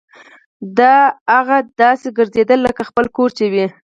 داه اغه داسې ګرځېدله لکه خپل کور چې يې وي.